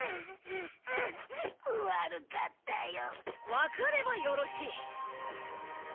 わかればよろしい。